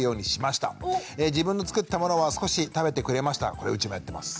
これうちもやってます。